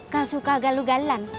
kak suka galugalan